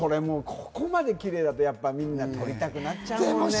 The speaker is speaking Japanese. ここまでキレイだと、みんな撮りたくなっちゃうよね。